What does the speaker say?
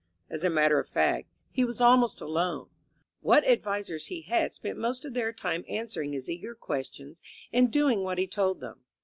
As a matter of fact, he was almost alone. What advisers he had spent most of their time answering his eager questions and doing what he told them.